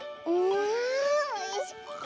あおいしかった！